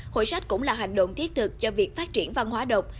hội sách cũng là hành động thiết thực cho việc phát triển văn hóa đọc